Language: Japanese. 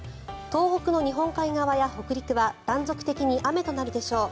東北の日本海側や北陸は断続的に雨となるでしょう。